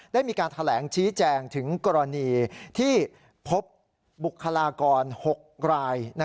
ได้มีการแถลงชี้แจงถึงกรณีที่พบบุคลากร๖ราย